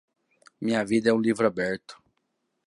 Minha vida é um livro aberto